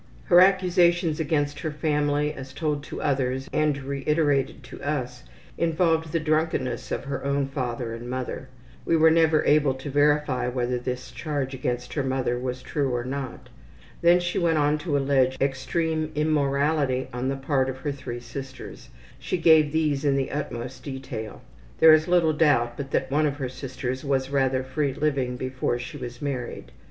Her accusations against her family as told to others, and reiterated to us, involved the drunkenness of her own father and mother. (We were never able to verify whether this charge against her mother was true or not.) Then she went on to allege extreme immorality on the part of her three sisters. She gave these in the utmost detail. (There is little doubt but that one of her sisters was rather free living before she was married.)